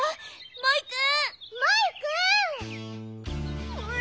モイくん！